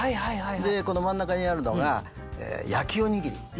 でこの真ん中にあるのが焼きおにぎり。